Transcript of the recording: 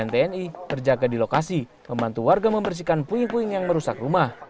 tni terjaga di lokasi membantu warga membersihkan puing puing yang merusak rumah